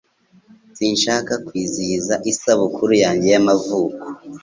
Sinshaka kwizihiza isabukuru yanjye y'amavuko